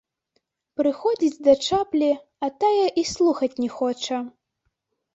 Прыходзіць да чаплі, а тая і слухаць не хоча.